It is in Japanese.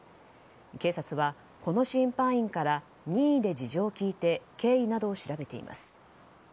警察はこの審判員から任意で事情を聴いて経緯などを調べています。